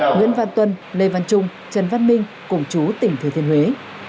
nguyễn văn tuân lê văn trung trần văn minh cùng chú tỉnh thừa thiên huế